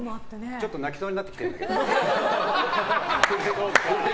ちょっと泣きそうになってきてる。